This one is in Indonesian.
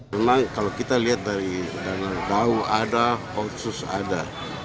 memang kalau kita lihat dari bawah ada oksus ada